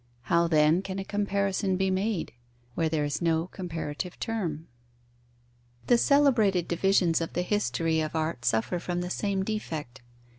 How, then, can a comparison be made, where there is no comparative term? The celebrated divisions of the history of art suffer from the same defect.